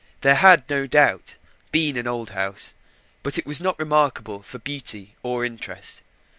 There had, no doubt, been an old house; but it was not remarkable for beauty or interest.